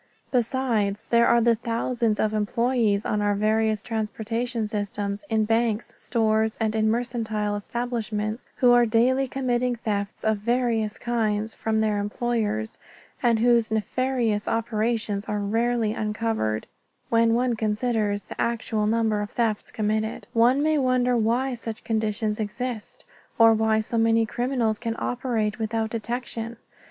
Besides, there are the thousands of employees on our various transportation systems, in banks, stores, and in mercantile establishments, who are daily committing thefts of various kinds from their employers and whose nefarious operations are rarely uncovered, when one considers the actual number of thefts committed. One may wonder why such conditions exist, or why so many criminals can operate without detection.